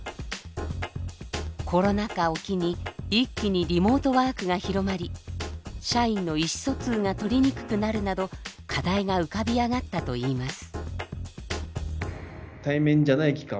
コロナ禍を機に一気にリモートワークが広まり社員の意思疎通がとりにくくなるなど課題が浮かび上がったといいます。